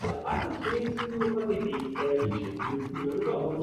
Despite its popularity, the new legal texts were not without opposition.